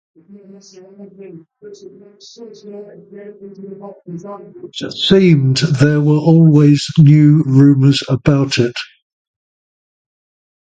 It seemed there were always new rumors about it.